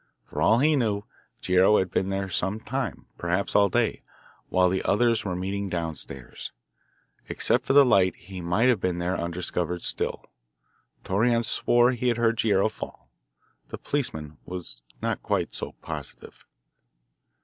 For all he knew, Guerrero had been there some time, perhaps all day, while the others were meeting down stairs. Except for the light he might have been there undiscovered still. Torreon swore he had heard Guerrero fall; the policeman was not quite so positive.